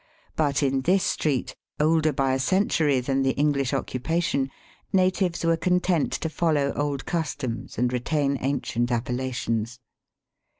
But in this street, older hy a century than the English occupation, natives were content to foUow old customs and retain ancient appellations.